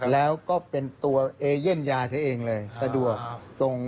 แล้วก็เป็นตัวเอเย่นยาเธอเองเลยสะดวกตรง